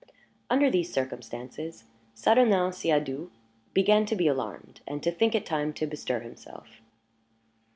Under these circumstances, Saturnin Siadoux began to be alarmed, and to think it time to bestir himself.